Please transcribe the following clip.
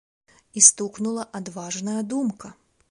І стукнула адважная думка.